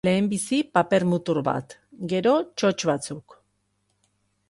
Lehenbizi paper mutur bat, gero txotx batzuk.